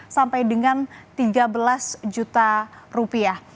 sampai dengan tiga belas juta rupiah